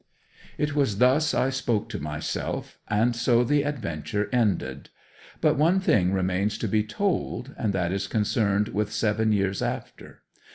It was thus I spoke to myself, and so the adventure ended. But one thing remains to be told, and that is concerned with seven years after.